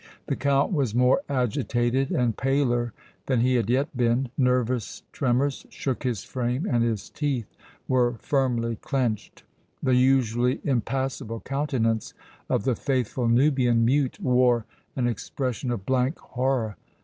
The Count was more agitated and paler than he had yet been. Nervous tremors shook his frame and his teeth were firmly clenched. The usually impassible countenance of the faithful Nubian mute wore an expression of blank horror.